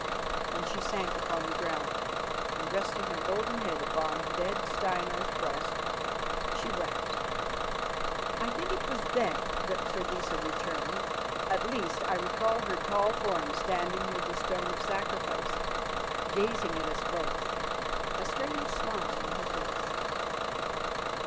Then she sank upon the ground, and resting her golden head upon dead Steinar's breast, she wept. I think it was then that Freydisa returned; at least, I recall her tall form standing near the stone of sacrifice, gazing at us both, a strange smile on her face.